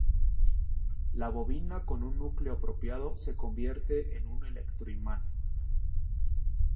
La bobina con un núcleo apropiado, se convierte en un electroimán.